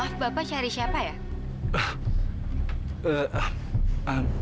maaf bapak cari siapa ya